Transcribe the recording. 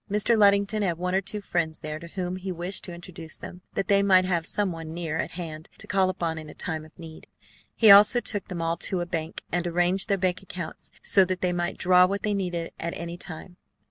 Mr. Luddington had one or two friends there to whom he wished to introduce them, that they might have some one near at hand to call upon in a time of need. He also took them all to a bank, and arranged their bank accounts so that they might draw what they needed at any time.